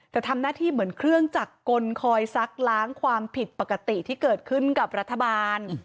แต่ทำหน้าที่เหมือนเครื่องจักรกลคอยซักล้างความผิดปกติที่เกิดขึ้นกับรัฐบาล